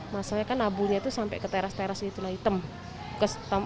masanya kan abunya sampai ke teras teras itulah hitam